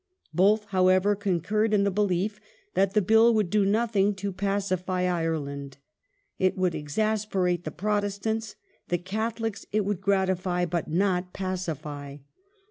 Both, however, concurred in the belief that the Bill would do nothing to pacify Ireland : it would exasperate the Protestants, the Catholics it would gratify but not pacify.